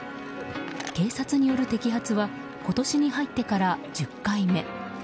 警察による摘発は今年に入ってから１０回目。